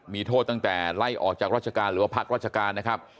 มีโทษตั้งแต่ไล่ออกจากราชการหรือว่าพักราชการนะครับ